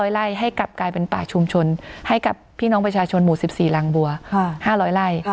ไล่ให้กลับกลายเป็นป่าชุมชนให้กับพี่น้องประชาชนหมู่๑๔รังบัว๕๐๐ไร่